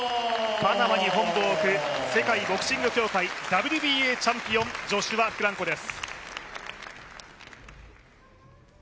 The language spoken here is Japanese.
パナマに本部を置く世界ボクシング協会、ＷＢＯチャンピオンジョシュア・フランコです。